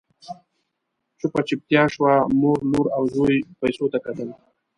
چوپه چوپتيا شوه، مور، لور او زوی پيسو ته کتل…